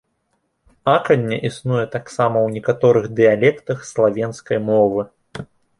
Аканне існуе таксама ў некаторых дыялектах славенскай мовы.